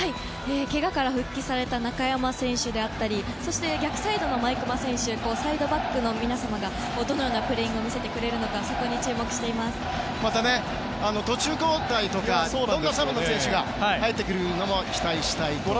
けがから復帰された中山選手やそして逆サイドの毎熊選手などサイドバックの皆様がどのようなプレイングを見せてくれるか途中交代にどんなサブの選手が入ってくるのかも期待したいと思います。